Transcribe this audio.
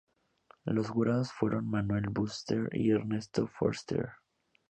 Los jurados fueron Manuel Bunster y Ernesto Forster.